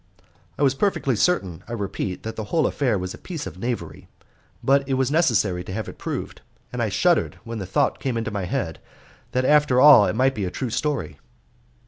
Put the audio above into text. I was perfectly certain, I repeat, that the whole affair was a piece of knavery; but it was necessary to have it proved, and I shuddered when the thought came into my head that after all it might be a true story.